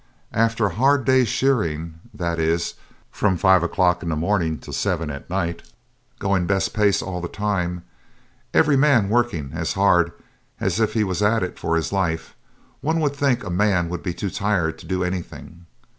After a hard day's shearing that is, from five o'clock in the morning to seven at night, going best pace all the time, every man working as hard as if he was at it for his life one would think a man would be too tired to do anything.